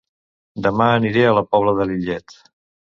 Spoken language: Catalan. Dema aniré a La Pobla de Lillet